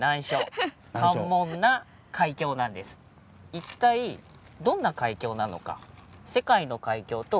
一体どんな海峡なのか。